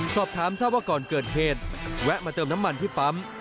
สอบถามทราบว่าก่อนเกิดเหตุแวะมาเติมน้ำมันที่ปั๊ม